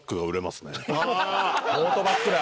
トートバッグだ。